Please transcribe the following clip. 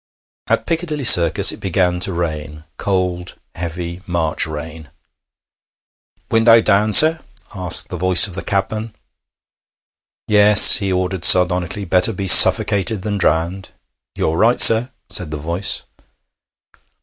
At Piccadilly Circus it began to rain cold, heavy March rain. 'Window down, sir?' asked the voice of the cabman. 'Yes,' he ordered sardonically. 'Better be suffocated than drowned.' 'You're right, sir,' said the voice.